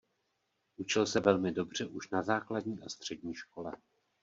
Učil se velmi dobře už na základní a střední škole.